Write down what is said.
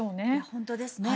本当ですね。